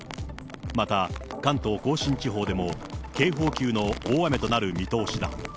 また関東甲信地方でも警報級の大雨となる見通しだ。